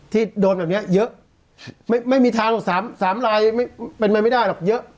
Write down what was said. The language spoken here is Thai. ที่โดนแบบเนี้ยเยอะไม่ไม่มีทางหรอกสามสามลายไม่เป็นไม่ได้หรอกเยอะ